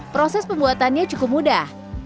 proses pembuatannya cukup mudah